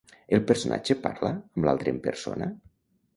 El personatge parla amb l'altre en persona?